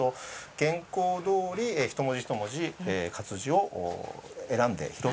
原稿どおり一文字一文字活字を選んで拾う。